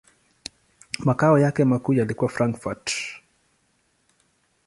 Makao yake makuu yalikuwa Frankfurt.